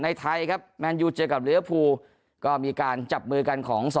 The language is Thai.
ในไทยครับมันอยู่เจอกับเลือดภูก็มีการจับมือกันของ